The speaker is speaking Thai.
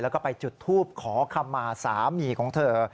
แล้วก็ไปจุดทูปขอคำมาสามีของเธอ